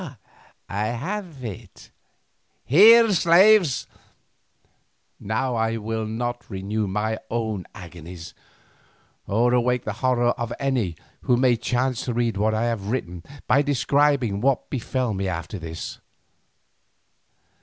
"Ah, I have it. Here, slaves." Now I will not renew my own agonies, or awake the horror of any who may chance to read what I have written by describing what befell me after this.